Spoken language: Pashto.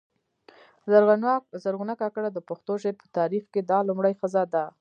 زرغونه کاکړه د پښتو شعر په تاریخ کښي دا لومړۍ ښځه ده.